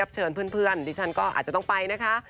เชิญเพื่อนดิฉันก็อาจจะต้องไปนะคะ